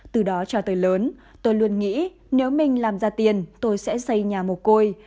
từ đó cho tới lớn tôi luôn nghĩ nếu mình làm ra tiền tôi sẽ xây nhà một côi